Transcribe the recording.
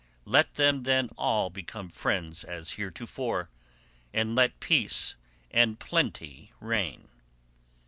Let them then all become friends as heretofore, and let peace and plenty reign."